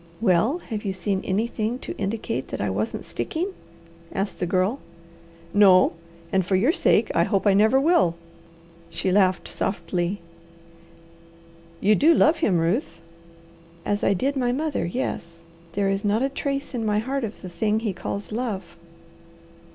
"Well have you seen anything to indicate that I wasn't sticking?" asked the Girl. "No. And for your sake I hope I never will." She laughed softly. "You do love him, Ruth?" "As I did my mother, yes. There is not a trace in my heart of the thing he calls love."